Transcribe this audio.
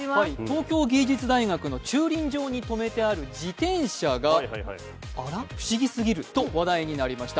東京芸術大学の駐輪場に止めてある自転車があらっ、不思議すぎると話題になりました。